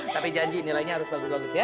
tapi janji nilainya harus bagus bagus ya